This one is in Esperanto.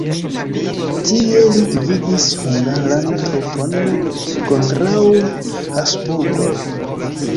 Tie li gvidis hungaran trupon kontraŭ Habsburgoj.